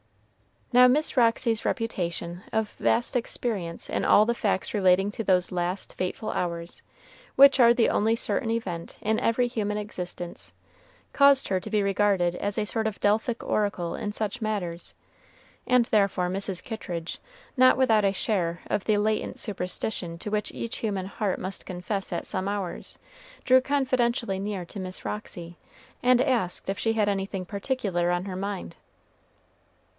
Now Miss Roxy's reputation of vast experience in all the facts relating to those last fateful hours, which are the only certain event in every human existence, caused her to be regarded as a sort of Delphic oracle in such matters, and therefore Mrs. Kittridge, not without a share of the latent superstition to which each human heart must confess at some hours, drew confidentially near to Miss Roxy, and asked if she had anything particular on her mind.